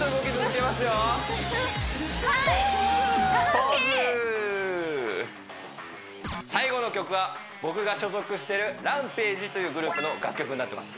ポーズ最後の曲は僕が所属してるＲＡＭＰＡＧＥというグループの楽曲になってます